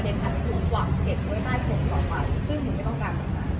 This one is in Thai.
เก็บไว้ให้คนต่อไปซึ่งหนูไม่ต้องการแบบนั้น